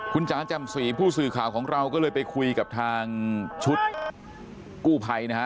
คุณจ๋าแจ่มสีผู้สื่อข่าวของเราก็เลยไปคุยกับทางชุดกู้ภัยนะฮะ